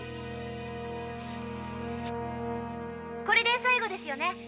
これで最後ですよね